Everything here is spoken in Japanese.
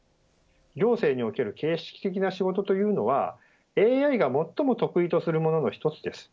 行政における形式的な仕事というのはＡＩが最も得意とするものの１つです。